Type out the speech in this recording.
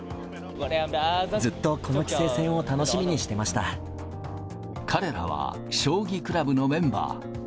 ずっとこの棋聖戦を楽しみに彼らは将棋クラブのメンバー。